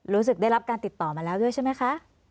ได้รับการติดต่อมาแล้วด้วยใช่ไหมคะ